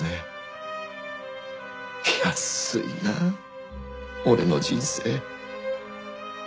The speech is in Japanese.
安いなあ俺の人生。